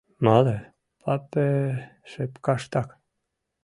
Мале, папе шепкаштак...